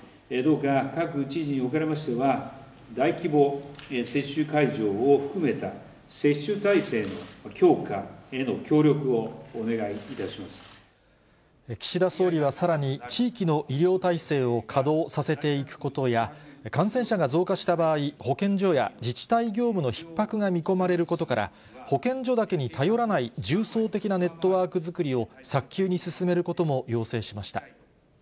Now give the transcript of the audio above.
どうか各知事におかれましては、大規模接種会場を含めた接種体制の強化への協力をお願いいたしま岸田総理はさらに、地域の医療体制を稼働させていくことや、感染者が増加した場合、保健所や自治体業務のひっ迫が見込まれることから、保健所だけに頼らない重層的なネットワーク作りを早急に進めることも要請しました。